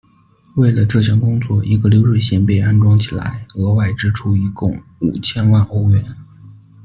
为了这项工作，一个流水线被安装起来，额外支出一共五千万欧元。